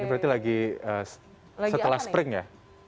berarti lagi setelah spring ya